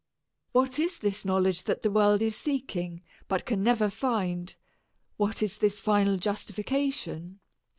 What is this knowledge that the world is seeking, but can never find? What is this final justification?